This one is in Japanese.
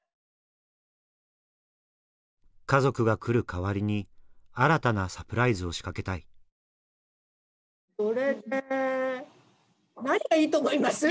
家族が来る代わりに新たなサプライズを仕掛けたいそれで何がいいと思います？